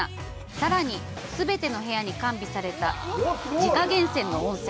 さらに、全ての部屋に完備された自家源泉の温泉！